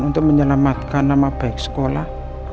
untuk menyelamatkan nama baik sekolah